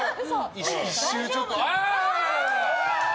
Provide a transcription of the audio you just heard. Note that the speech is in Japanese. １周ちょっと。